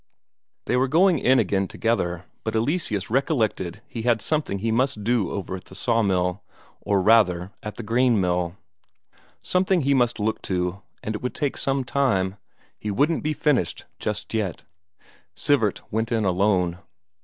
They were going in again together, but Eleseus recollected he had something he must do over at the sawmill, or rather, at the cornmill; something he must look to, and it would take some time he wouldn't be finished just yet. Sivert went in alone.